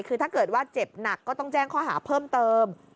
คือถ้าเกิดว่าเจ็บหนักก็ต้องแจ้งข้อหาเพิ่มเติม